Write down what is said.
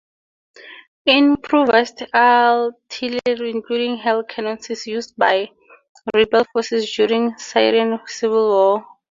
Improvised artillery including "hell cannons" is used by rebel forces during Syrian Civil War.